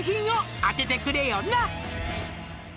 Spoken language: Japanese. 「当ててくれよな」